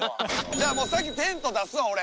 じゃ先テント出すわ俺。